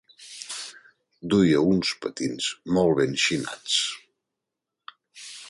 Duia uns patins molt ben xinats.